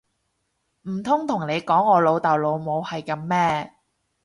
唔通同你講我老豆老母係噉咩！